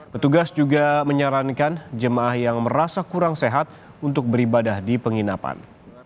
petugas juga menyarankan jemaah yang merasa kurang sehat untuk beribadah di penginapan